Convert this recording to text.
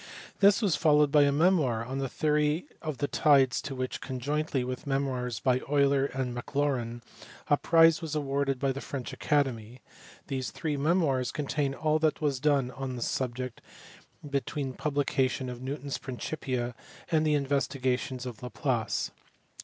This was followed by a memoir on the theory of the tides to which, conjointly with memoirs by Euler and Maclaurin, a prize was awarded by the French Academy : these three memoirs contain all that was done on this subject between the publication of Newton s Principia and the investigations of Laplace.